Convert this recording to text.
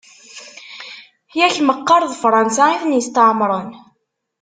Yak meqqar d Fransa i ten-isetɛemren?